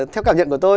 theo cảm nhận của tôi